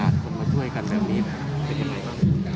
ดูบยังไงกัน